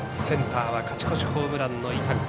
センターは勝ち越しホームランの伊丹。